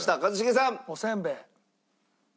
おせんべい。